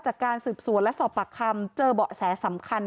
จากการสืบสวนและสอบปากคำเจอเบาะแสสำคัญ